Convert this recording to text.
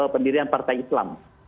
pendirian partai islam